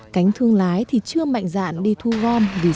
cánh thương lái thì chưa mạnh dạn đi thu gom vì sợ